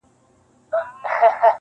چي هر څوک پر لاري ځي ده ته عیبجن وي -